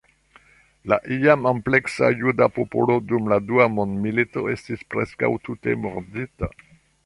La iam ampleksa juda popolo dum la Dua Mondmilito estis preskaŭ tute murdita.